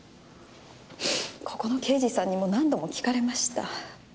ここの刑事さんにも何度も聞かれました。